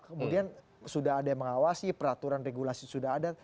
kemudian sudah ada yang mengawasi peraturan regulasi sudah ada